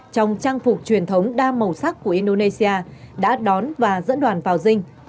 trong trang phục truyền thống đa màu sắc của indonesia đã đón và dẫn đoàn vào dinh